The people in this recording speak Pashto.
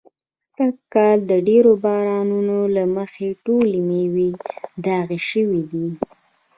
سږ کال د ډېرو بارانو نو له مخې ټولې مېوې داغي شوي دي.